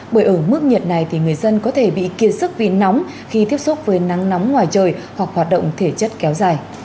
bởi ở mức nhiệt này thì người dân có thể bị kiên sức vì nóng khi tiếp xúc với nắng nóng ngoài trời hoặc hoạt động thể chất kéo dài